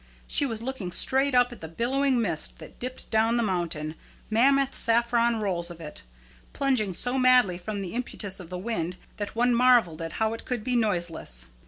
She was looking straight up at the billowing mist that dipped down the mountain, mammoth saffron rolls of it, plunging so madly from the impetus of the wind that one marvelled how it could be noiseless.